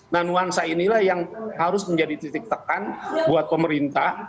nah nuansa inilah yang harus menjadi titik tekan buat pemerintah